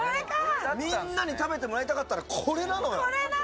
みんなに食べてもらいたかったらこれなのよ。